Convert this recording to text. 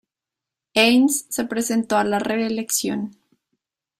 Eanes se presentó a la reelección.